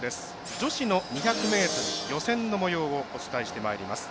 女子の２００ｍ予選のもようをお伝えしてまいります。